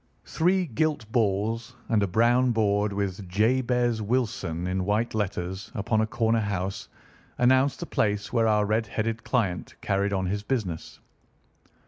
Three gilt balls and a brown board with "JABEZ WILSON" in white letters, upon a corner house, announced the place where our red headed client carried on his business.